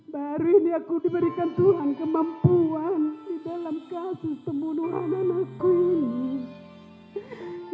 baru ini aku diberikan tuhan kemampuan di dalam kasus pembunuhan anakku ini